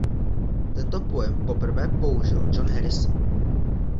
Tento pojem poprvé použil John Harrison.